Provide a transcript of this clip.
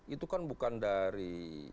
itu kan bukan dari